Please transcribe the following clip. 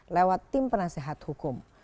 lewat tim penasehat hukum